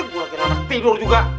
gue lagi anak tidur juga